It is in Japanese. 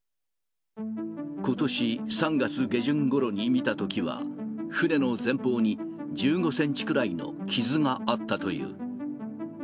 ことし３月下旬ごろに見たときは、船の前方に１５センチくらいの傷があったという。